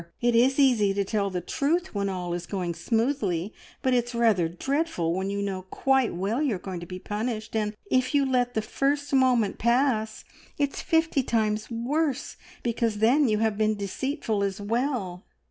It is easy to tell the truth when all is going smoothly, but it's rather dreadful when you know quite well you are going to be punished; and if you let the first moment pass it's fifty times worse, because then you have been deceitful as well.